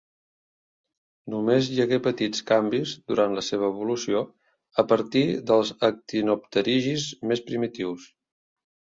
Només hi hagué petits canvis durant la seva evolució a partir dels actinopterigis més primitius.